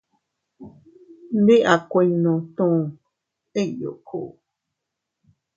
Ndi a kuinno tu iyuku.